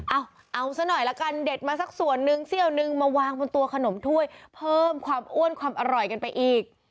เอาเอาซะหน่อยละกันเด็ดมาสักส่วนนึงเสี้ยวนึงมาวางบนตัวขนมถ้วยเพิ่มความอ้วนความอร่อยกันไปอีก